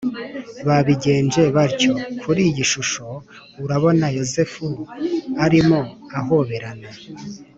Babigenje batyo kuri iyi shusho urabona yozefu arimo ahoberana